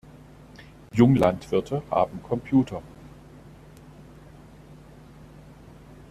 Junglandwirte haben Computer.